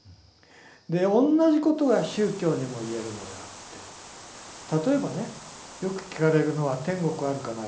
で同じことが宗教にも言えるのであって例えばねよく聞かれるのは天国あるかないかという。